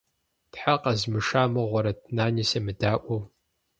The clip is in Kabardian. Тхьэ къэзмыша мыгъуэрэт, Нани семыдаӏуэу.